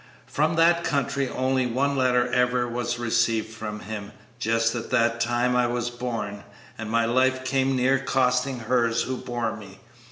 From that country only one letter ever was received from him. Just at that time I was born, and my life came near costing hers who bore me.